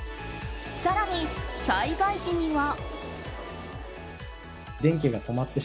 更に、災害時には。